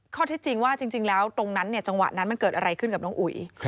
ที่จริงว่าจริงแล้วตรงนั้นเนี่ยจังหวะนั้นมันเกิดอะไรขึ้นกับน้องอุ๋ย